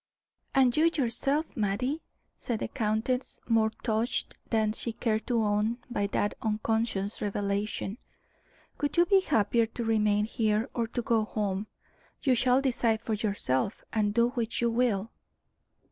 "And you yourself, Mattie," said the countess, more touched than she cared to own by that unconscious revelation "would you be happier to remain here, or to go home? You shall decide for yourself, and do which you will."